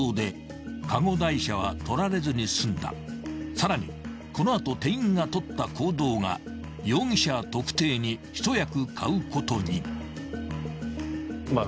［さらにこの後店員が取った行動が容疑者特定に一役買うことに］